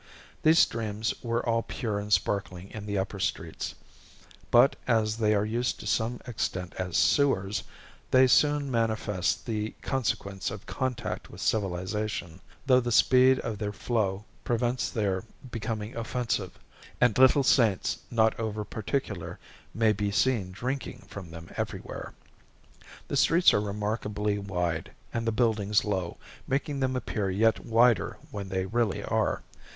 These streams are all pure and sparkling in the upper streets, but, as they are used to some extent as sewers, they soon manifest the consequence of contact with civilization, though the speed of their flow prevents their becoming offensive, and little Saints not over particular may be seen drinking from them everywhere. The streets are remarkably wide and the buildings low, making them appear yet wider than they really are.